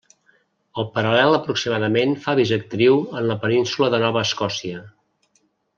El paral·lel aproximadament fa bisectriu en la península de Nova Escòcia.